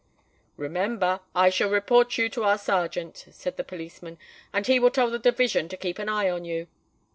"Remember, I shall report you to our serjeant," said the policeman; "and he will tell the Division to keep an eye on you."